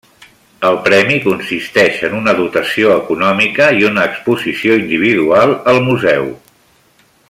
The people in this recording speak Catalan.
El premi consisteix en una dotació econòmica i una exposició individual al museu.